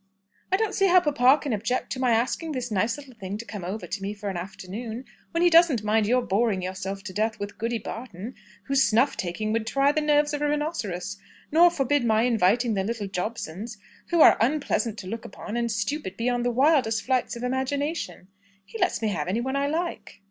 "I don't see how papa can object to my asking this nice little thing to come to me for an afternoon, when he doesn't mind your boring yourself to death with Goody Barton, whose snuff taking would try the nerves of a rhinoceros, nor forbid my inviting the little Jobsons, who are unpleasant to look upon, and stupid beyond the wildest flights of imagination. He lets me have any one I like."